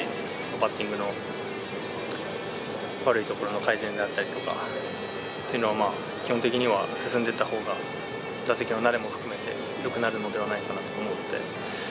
バッティングの悪いところの改善であったりとか、というのは基本的には進んでたほうが打席の慣れも含めて、よくなるのではないかなと思って。